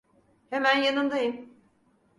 Hemen yanındayım.